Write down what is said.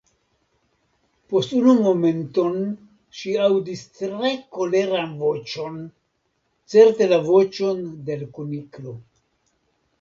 Post unu momenton ŝi aŭdis tre koleran voĉon, certe la voĉon de l Kuniklo.